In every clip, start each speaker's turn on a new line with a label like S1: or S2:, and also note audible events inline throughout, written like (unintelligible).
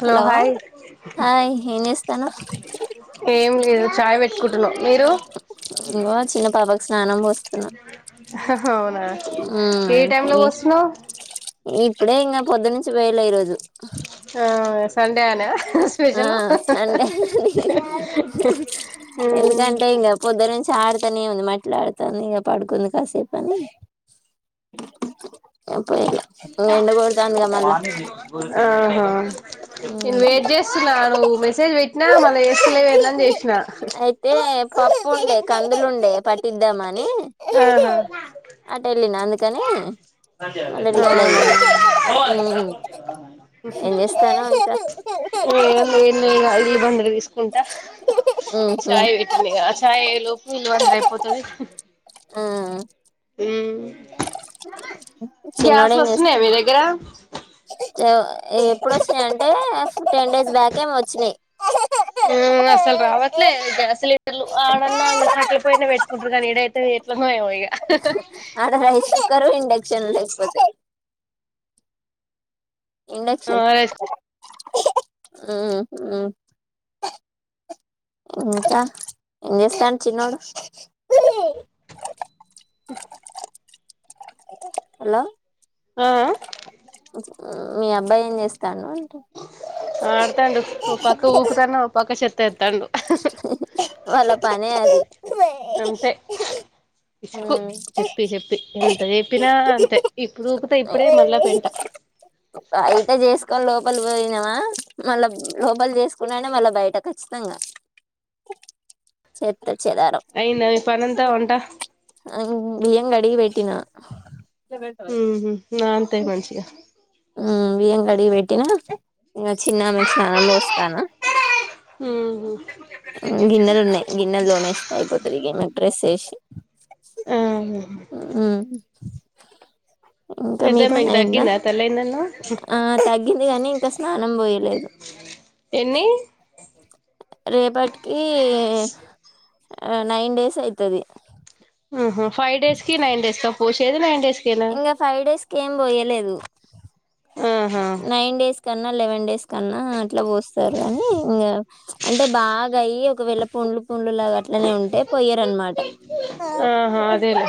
S1: Hello hi
S2: hi ఏం చేస్తానవ్
S1: ఏం లేదు చాయ్ వె కుటుగో మీరు
S2: ఇంగో చిన్న పాపకు స్నానం
S1: అవునా
S2: ఆ
S1: టైమ్ లో
S2: ఏ
S1: పోస్తున్నావ్
S2: ఎప్ ఇక్కడ ఇంకా పొద్దు నుంచి పోయలే ఈ రోజు
S1: ఆస్
S2: ఆ సండే ఎందుకంటే ఇంగ పొద్దునా నుంచి ఆడతానే ఉంది మట్టిలో ఆడుతాంది ఇంక పడుకుంనీ కాసేపు అని పోయిలే ఎండ కొడతాందిగా మళ్ళా
S1: ఆహా నేను
S2: మ్మ్
S1: వెయిట్ చేస్తున్నా నువ్వు మెసేజ్ పెట్టినా మళ్ళీ చేస్తలేవ ఏందని చేసిన
S2: అయితే పప్పు ఉంటే కందులు ఉండే పట్టిద్దామానీ మణి అటు వెళ్ళిన అందుకని
S1: ఉ పో
S2: మళ్ళ రిప్లై ఇయ్యలే మ్మ్ ఏం చేస్తానవ్
S1: ఉ ఏం లేదు
S2: ఇంకా
S1: అయి బా కుంటా
S2: ఉహు
S1: చాయ్ పెట్ని ఇగ చాయ్ అయ్యే లోపు ఇల్లు వందర అయిపోతుంది హమ్
S2: చినొడూ ఏం
S1: వస్తున్నాయా
S2: చేస్తుయోడు
S1: మీ దగ్గర
S2: ఎప్పుడు వచ్చినాయి అంటే ఫి్ టెన్ డేస్ బ్యాక్ేమో వచ్చినాయి
S1: అసలు రావట్లేదు గ్యాస్ సిలిండర్లు ఆడన్నా కట్టల పోయినమీద పెట్టుకుంటారు కానీ ఈడైతే ఎలిట్లనో ఏమో ఇగ
S2: అద రైస్ కుుక్కరు ఇండక్షన్పో ఇండక్షక్షన్ ఉహు ఇంకా ఆమ్ చేస్తునడు చిన్నోడు హలో
S1: ఆ ఆ
S2: మీ అబ్బాయి ఏం చేస్తాడు
S1: ఆ ఆడతాండు ఒకఓ పక్క ఊకుతాన పక్క చెత్
S2: వాళ్ళ పనే అది
S1: అంతే
S2: ఉ
S1: ఇసుకు చెప్పి చెప్పి ఎంత చెప్పినా అంతే ఇప్పుడు ఊకుతే ఇప్పుడే మళ్ళా పెంట
S2: బయట చేసుకో లోబలు పోయినావా మళ్ళా లోపల చేసుకున్నానే మళ్ళా బయట ఖచ్చితంగా చెత్త చెదారం
S1: అయిందా పని అంతా వంట
S2: ఉ బియ్యం కడిగి పెట్టిన
S1: ఉ నా అంత ఏయ్ మంచిగా
S2: ఉ బియ్యం కడిగి పెట్టిన ఇ చిన్న మీకు స్నానం పోస్తాన
S1: ఉహు
S2: గిన్నెలు ఉన్నాయి గిన్నెలు దోమేస్తా అయిపోతది ఇగ గేమిడ్రెస్ చేసి
S1: ఆ
S2: హమ్ ఇంకా మీ పని
S1: పెద్దమ్మాయికి
S2: అయిందా
S1: తగ్గిందా తల్లయిందన్నవ్
S2: ఆ తగ్గింది కానీ ఇంకా స్నానం పోయలేదు
S1: ఎన్ని
S2: రేపటి కీ ఆ నైన్ డేసైతది
S1: ఉహు ఫైవ్డేస్కి నైన్డేస్ తొ పోష్ ఏది నైన్ డేస్ కేనా
S2: ఇంగ ఫైవ్ డేస్ కేం బొయ్యలేదు.
S1: ఆహా
S2: నైన్ డేస్ కన్ న్న లెవెన్ డేస్ కన్నా అట్ల బోస్తారు అని ఇంగ అంటె బాగాయ్యి ఒకవేళ పుండ్లు పుండ్లు లాగట్లనే ఉంటే పొయ్యరన్మాట్.
S1: ఆహా అదేలా.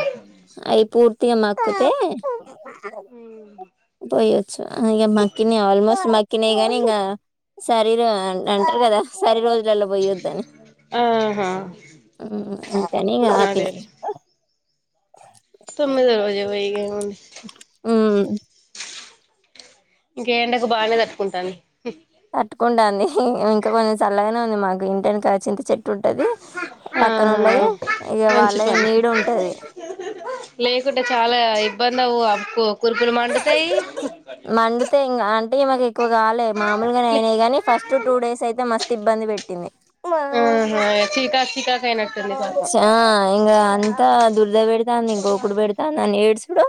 S2: తె మక్క్తే పొయ్యొ. ఛ అ ఇగ మక్కినే ఆల్మోస్ట్ మక్కినయ్ గానీ ఇంగ సరీరో అంట్ అంటర్ గద సరి రోజులల్లొ. పొయ్యద్దని
S1: ఆహా
S2: మ్ అంతని ఆపిన.
S1: తొమ్మిదొ రోజే పొయ్యిగ ఔను
S2: ఉమ్.
S1: ఇంకె ఎండకు బానే తట్టుకుంటాంది.
S2: పట్టుకుంటాంది ఇంక కొంచెం సల్లగనే ఉంది మాకు ఇంటెనకాల చింత చెట్. ఉంటది
S1: ఆహా
S2: పక్కనోళ్ళది ఇగ
S1: మంచి
S2: వాళ్ళది
S1: పని
S2: నీడుంటది.
S1: లేకుంటే చాలా ఇబ్బందవ్వు ఆమెకు కుర్ కుర్ మండుతయి.
S2: మంగితే ఇంగ ఆంటె మాకెక్కువ గాలే మామూల్గానే
S1: లే
S2: ఐనయ్ గాని ఫస్ట్ టూ డేసైతే మస్. తిబ్బంది పెట్టింది.
S1: ఆహా చీకాకు చీకాకు అయినట్టుంది పాపం
S2: చా ఇంగ అంతా దుర్ద పెడతాంది గోకుడు పెడ్తా. నన్ ఏడ్సుడు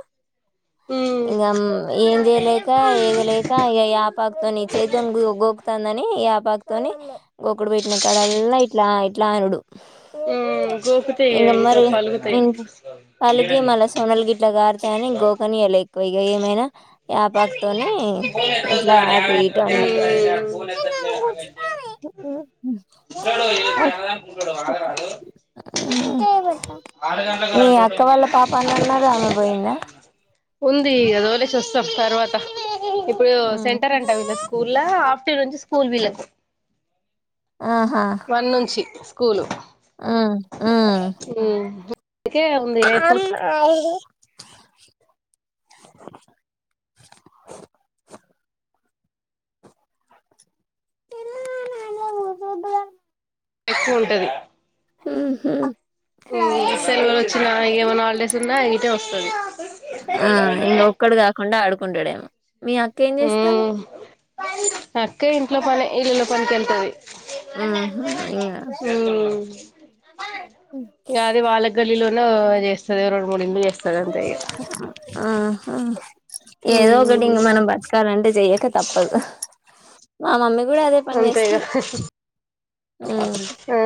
S1: ఉమ్
S2: ఇంగమ్ ఏం జెయ్ లేక ఏగలేక ఇగ యాపాక్తోని చెయ్తోని గొయ్ గోక్తాందని. పాక్తోని గోకుడుపెట్న కాడల్లా ఇట్లా ఇట్లా అనుడు.
S1: ఉమ్ గోకుతాయి
S2: ఇంగ
S1: ఇంకా
S2: మరి
S1: పలుగుతాయి
S2: ఇని పళ్ళుకే మళ్ళ సోనల్ గిట్ల గారుతా అని గోకనియలె ఎక్కువ ఇగ ఏమైనా. యాపాక్తోని ఇట్లా అటు ఇటు అన్న.
S1: ఉమ్ ఉంటాడు ఏడు గంటల దాకా ఉంటాడు ఆగరాడు ఆరు గంటలకు
S2: మీ
S1: అంటుంటే
S2: అక్క వాళ్ళ
S1: నేను
S2: పాప అనన్నారు ఆమె పోయిందా.
S1: ఉంది ఇగ దోలేసొస్. తర్వాత ఇప్పుడు సెంటరంట వీళ్ళ స్కూల్లా. స్టూడన్ంచి స్కూల్ వీళ్లకు వన్ నుంచి స్కూలు
S2: ఆ ఆ
S1: ఉమ్ అందుకే ఉంది
S2: అను
S1: లేకపోతే
S2: అ
S1: ఎక్కువ ఉంటది సెలవలు వచ్చిన ఏమైనా హాలిడేస్ ఉన్నా ఇటే వస్తుంది
S2: ఉండడెమో
S1: ఉ అక్క ఇట్ లో పనే ఇల్లు లో పనికి వెళ్తది
S2: ఆ ఇకా
S1: ఉమ్ ఇగ అది వాళ్ళ గల్లీలోనే చేస్తది రెండు మూడు ఇలు చేస్తది సరంత
S2: ఆ ఏదో ఒకటి ఇంక మనం బతకాలంటే చెయక తప్పదు మా మమీ కూడా అదే పని
S1: అంతే ఇగ
S2: చేస్తుది
S1: ఆ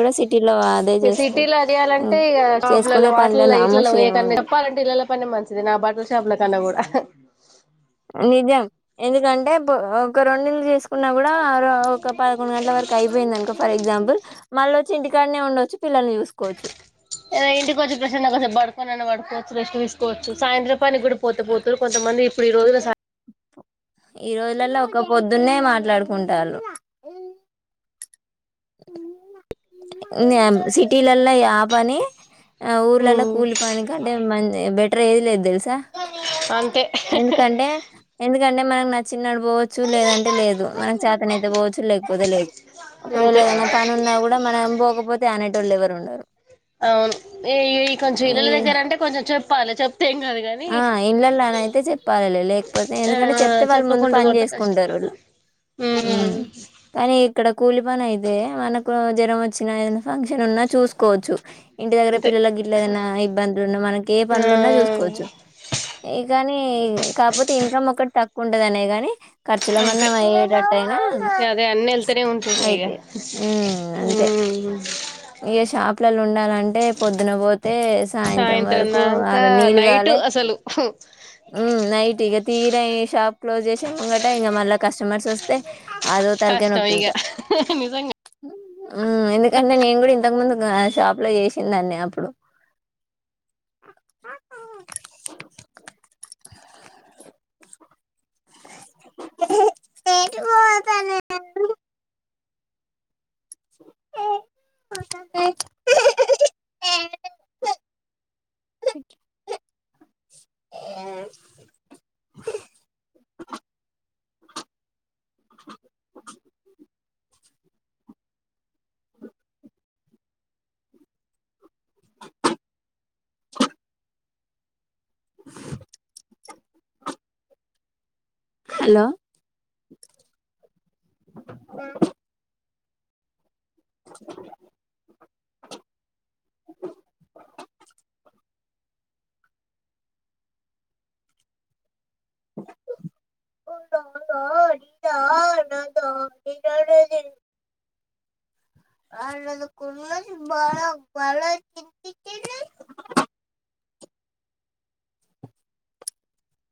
S2: కూడా సిటీలో అదే
S1: ఇ
S2: చేస్తది
S1: సిటీలో అదియాలంటే
S2: ఉమ్
S1: ఇక షాప్లలో
S2: చేసుకునే పనిలో
S1: వాటర్లో ఇట్లలో
S2: నామూషి
S1: పోకన్నా
S2: ఏముండదు
S1: చెప్పాలంటే ఇళ్లల పనే మంచిది నా బటల్ షాప్ల కన్నా కూడా అ
S2: నిజం ఎందుకంటే ఒక రెండు ఇల్లు చేసుకు న్నా కూడా ఒక పదకొండు గంటల వరకు అయిపోయింది అనుక ఫర్ ఎగ్జాంపుల్ మళ్ళ చింటికాడనే ఉండొచ్చు పిల్ల్ని చూసుకోవచ్చు
S1: ద ఇంటికి వచ్చి ప్రశ్ం పడుకోొన్న పడుకోవచ్చు కోవచ్చు సాయంత్రం పని కూడా పోతపోతతుారు కొంతమంది ఇ రోజ
S2: ఈ రోజులలో ఒక పొద్దున్నే మాట్లాడుకుంటారు ఉ సిటీలల్ల పని ఊరు లలా
S1: ఉమ్
S2: కూలి పనిక అంటే బెటర్ ఏది లేదు తెలుసా
S1: అంతే
S2: ఎందుకంటే ఎందుకంటే మనకు నచ్చిినడు పోవచ్చు లేదంటే లేదు మనకు చేతన అయితే పోవచ్చు లేకపోతే లేదు ఒకవేళ
S1: అంతే
S2: ఏదైనా పని ఉన్నా కూడా మనం పోకపోతే ఇస్తే అనేటోళ్లు ఎవరూ ఉండరు.
S1: అవును, అయ్యే అయ్యే. కొంచెం
S2: ఈ
S1: ఇళ్లల్ల దగ్గర అంటే, కొంచెం చెప్ప. పోలే చెప్ప.
S2: ఆ ఇళ్లల్లనైతే చెప్పాలేలే. లేకపోతే
S1: ఆ
S2: ఎందుకంటే చెప్తే వాళ్లు ముందు
S1: చెప్పకుండా
S2: పని
S1: కొడితే కష్టం
S2: చేసుకుంటారు, హ్మ్.
S1: ఉమ్
S2: కానీ. ఇక్కడ కోళ్ల పని అయితే మనకు జ్వరం వచ్చినా, ఏదనా ఫంక్షన్ ఉన్నా చూసుకోవచ్చు. ఇంటి దెగ్గర
S1: అంతే
S2: పిల్లలకి గిట్ల, ఏదనా ఇబ్బందులున్నా మనకి ఏ
S1: ఆ
S2: పనులు ఉన్నా, చూసుకోవచ్చు. ఎ కానీ, కాకపోతే ఇన్‌కమ్ ఒకటే తక్కువ ఉంటది. అనే గాని. ఖర్చుల
S1: అంతే
S2: మందం అయ్యే తట్టు అయినా
S1: అదే అన్నీ వెళ్తూనే ఉంటుంది ఇగ
S2: అయితయి, హ్మ్ అంటే.
S1: ఉమ్
S2: ఇగ షాప్ల. ఉండాలి అంటే పొద్దునే పోత. తే సాయంత్రం వరకు ఆడ
S1: దాంకా
S2: నీళ్లు
S1: నైట్
S2: కాలే,
S1: అసలు
S2: హ్మ్. నైట్ ఇగ తీయుర్. గయే షాప్. క్లోజ్ జేసే ముంగట ఇంగ మల్లక్. కస్టమర్స్ వస్తే. అదో తలకాయ
S1: కష్టమే ఇగ నిజంగా.
S2: హ్మ్, ఎందుకంటే నేను కూడ. ఇంతక ముందు కొన్న షాప్ జేసింది అన్యా అప్పుడు. హెహె, ఎటూ పోతలేను. (unintelligible) (inaudible) (unintelligible) (inaudible) (inaudible) హలో. (inaudible) (inaudible) ఓ దా దా ది దా దా ధా ది దాదా దే. వాళ్లది కునది బాలక్ బాలోచ్చిది తి త్లీ.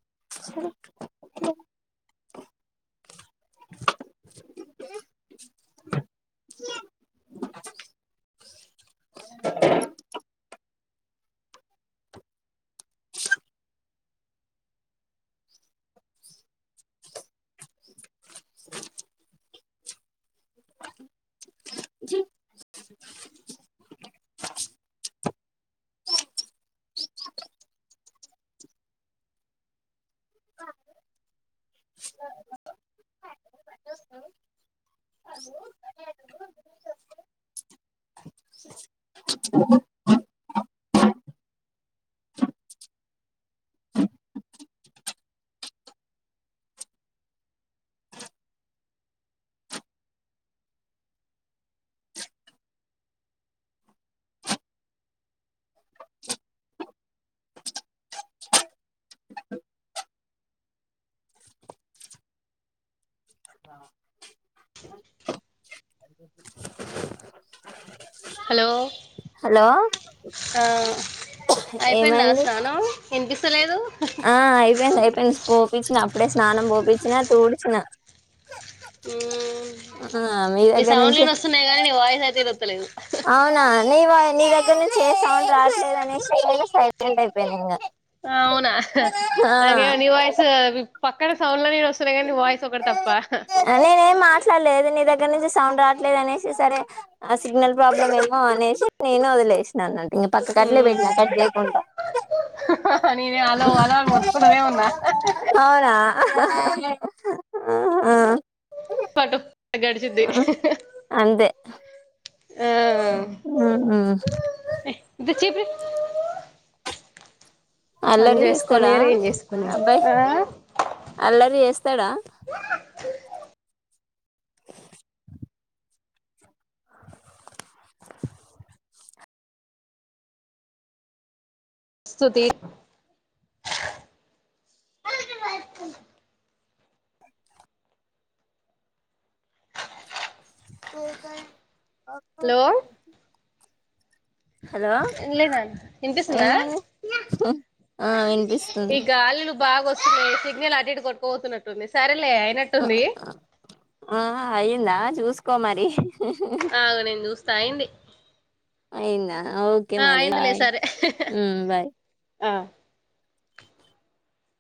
S2: (unintelligible) సరే లే. (unintelligible) (inaudible)
S1: హలో.
S2: హలో.
S1: ఆ. అయిపోయిందా
S2: ఏమైంది
S1: స్నానం ఇన్‌పీస్? తా లేదు.
S2: అయిపోయింది, అయిపోయింది. పోపిచ్చినప్పుడే స్నానం పోపిచ్చినా. తోలిచ్చిన.
S1: హ్మ్.
S2: ఆ, ఆ మీ దగ్గర నుంచే.
S1: చాట్‌జీపీ ఓతలేదు.
S2: అవునా, నీ వాయి (unintelligible) నీ దగ్గర నుంచే. ఏ సౌండ్ రాటలేదు అనేశే, నేను సైలెంట్ అయిపోయిన ఇంగ.
S1: అవునా ఆహ హ,
S2: ఆ
S1: నాకేమో నీ వాయిస్ఉ వీప. పక్కన సౌండ్లని వస్తున్నాయి కానీ నీ వాయిస్ ఒకటి తప్ప
S2: నేనే ఏం మాట్లాడలేదు నీదగ్గర దగ్గర నుంచి సౌండ్ రావట్లేదు అనేసి సరే ఆ సిగ్నల్ ప్రాబ్లమ్ ఏమో అనేసి నేను వదిలేసానుంట పక్క కట్లే
S1: ఉమ్
S2: పోయిట్ కట్లేకు ఉంటా
S1: నేనే హలో హలో అనీ మొతుకుంటానే ఉన్నా
S2: అవునా ఆ
S1: పట్టు గడిచిది ఆ
S2: హామ్
S1: చిప్పురు
S2: అల్లరి చేస్తాడా
S1: ఏం చేసుకొనిరు
S2: అబ్బాయి
S1: ఆ
S2: అల్లరి చేస్తాడా
S1: స్తుతి
S2: ఏకడ
S1: హలో
S2: హలో
S1: లేదండి వినిపిస్తుందా
S2: ఏమైంది ఆ
S1: ఈ
S2: వినిపిస్తుంది
S1: గాలులు బాగా వస్తున్నాయి సిగ్నల్ అటు ఇటు కొట్టుక పోతున్నట్టుంది సరే
S2: ఆ అయిందా చూస్ వేసుకోమరి
S1: ఆగు నేను చూస్తా అయింది
S2: అయింద ఓకే
S1: ఆ
S2: మరి
S1: అయిందిలే
S2: బాయ్
S1: సరే
S2: హామ్ బాయ్
S1: ఆ